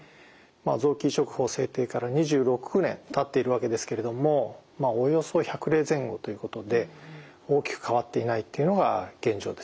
臓器移植法制定から２６年たっているわけですけれどもおよそ１００例前後ということで大きく変わっていないっていうのが現状です。